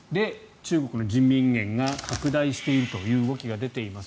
中国の人民元が拡大しているという動きが出ています。